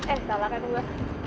eh salah kan gue